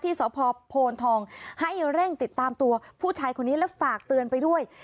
สพโพนทองให้เร่งติดตามตัวผู้ชายคนนี้และฝากเตือนไปด้วย